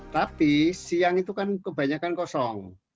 tapi siang itu kan kebanyakan kosong